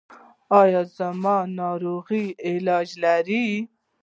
ایا زما ناروغي علاج لري؟